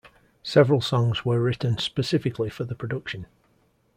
Several songs were written specifically for the production.